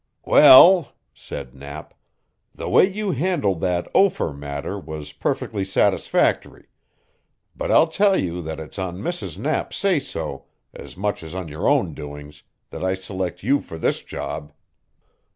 "Well," said Knapp, "the way you handled that Ophir matter was perfectly satisfactory; but I'll tell you that it's on Mrs. Knapp's say so, as much as on your own doings, that I select you for this job."